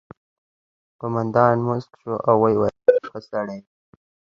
قومندان موسک شو او وویل چې ته ښه سړی یې